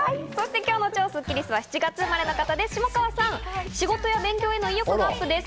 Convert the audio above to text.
今日のスッキりすは７月生まれの方、下川さんです。